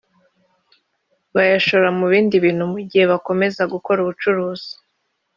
bayashora mu bindi bintu mu gihe bakomeza gukora ubucuruzi